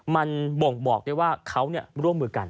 มันบ่งบอกได้ว่าเขาร่วมมือกัน